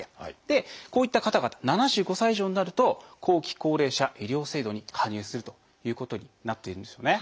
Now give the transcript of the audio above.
こういった方々７５歳以上になると後期高齢者医療制度に加入するということになっているんですよね。